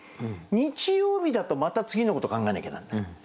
日曜日だとまた次のこと考えなきゃなんない。